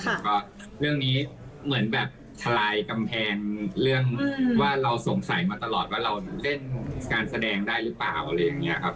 แล้วก็เรื่องนี้เหมือนแบบทลายกำแพงเรื่องว่าเราสงสัยมาตลอดว่าเราเล่นการแสดงได้หรือเปล่าอะไรอย่างนี้ครับ